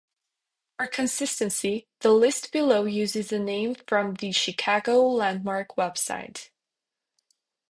For consistency, the list below uses the name from the Chicago Landmark website.